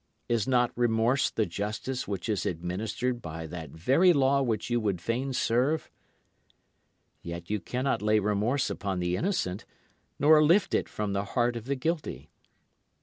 Is not remorse the justice which is administered by that very law which you would fain serve? Yet you cannot lay remorse upon the innocent nor lift it from the heart of the guilty.